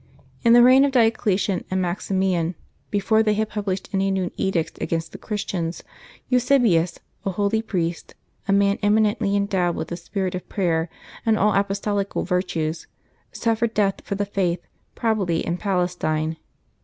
In the reign of Diocletian and Maximian, before they had pub lished any new edicts against the Christians, Eusebius, a holy priest, a man eminently endowed with the spirit of prayer and all apostolical virtues, suffered death for the Faith, probably in Palestine.